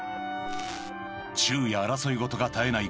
昼夜争い事が絶えない